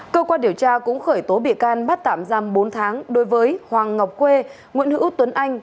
cơ quan điều tra cũng khởi tố bị can bắt tạm giam bốn tháng đối với hoàng ngọc khuê nguyễn hữu tuấn anh